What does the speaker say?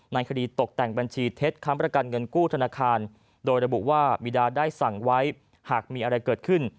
ในคดีตกแต่งบัญชีเท็จค้ำประกันเงินกู้ธนาคารโดยระบุว่าบีดาได้สั่งไว้หากมีอะไรเกิดขึ้น